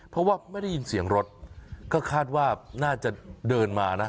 เพราะว่าไม่ได้ยินเสียงรถก็คาดว่าน่าจะเดินมานะ